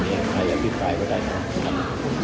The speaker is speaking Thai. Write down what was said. ใครอยากพิพลายก็ได้ตรงนั้น